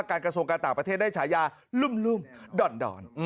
กระทรวงการต่างประเทศได้ฉายาลุ่มด่อน